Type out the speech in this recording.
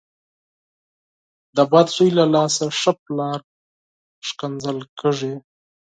د بد زوی له لاسه ښه پلار کنځل کېږي.